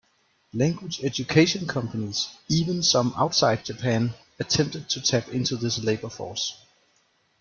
Language education companies, even some outside Japan, attempted to tap into this labor force.